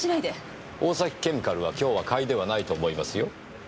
大崎ケミカルは今日は買いではないと思いますよ。